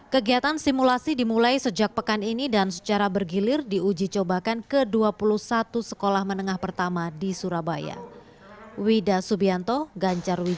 kegiatan simulasi dimulai sejak pekan ini dan secara bergilir diuji cobakan ke dua puluh satu sekolah menengah pertama di surabaya